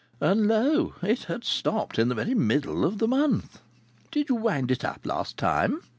And lo! it had stopped in the very middle of the month. "Did you wind it up last time?"